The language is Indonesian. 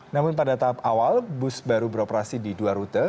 namun pada tahap awal bus baru beroperasi di dua rute